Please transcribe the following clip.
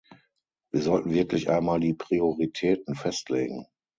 Wir sollten wirklich einmal die Prioritäten festlegen.